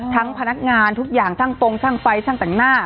ทั้งพนักงานทุกอย่างทั้งตรงทั้งไฟทั้งต่างหน้า